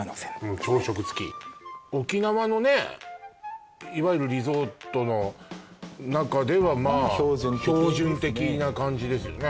朝食付き沖縄のねいわゆるリゾートの中ではまあ標準的な感じですよね